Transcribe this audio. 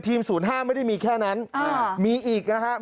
ทีมศูนย์ห้าไม่ได้มีแค่นั้นอ่ามีอีกนะฮะมี